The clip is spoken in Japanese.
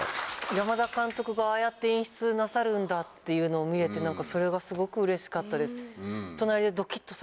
山田監督がああやって演出なさるんだっていうのを見れて何かそれが。とされてましたけど。